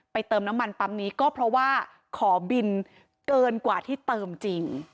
เติมน้ำมันปั๊มนี้ก็เพราะว่าขอบินเกินกว่าที่เติมจริง